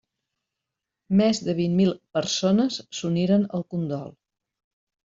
Més de vint mil persones s'uniren al condol.